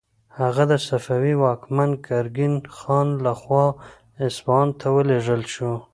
هغه د صفوي واکمن ګرګین خان لخوا اصفهان ته ولیږل شو.